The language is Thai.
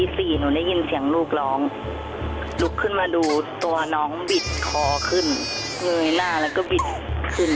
หนูได้ยินเสียงลูกร้องลุกขึ้นมาดูตัวน้องบิดคอขึ้นเงยหน้าแล้วก็บิดขึ้น